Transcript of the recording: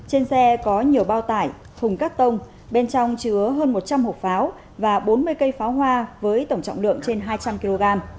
trên xe có nhiều bao tải thùng cắt tông bên trong chứa hơn một trăm linh hộp pháo và bốn mươi cây pháo hoa với tổng trọng lượng trên hai trăm linh kg